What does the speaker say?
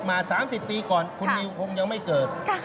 มา๓๐ปีก่อนคุณนิวคงยังไม่เกิด